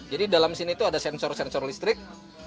jadi dalam sini itu ada sensor sensor listrik